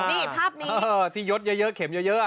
นี่ภาพนี้ที่ยดเยอะเยอะเข็มเยอะเยอะ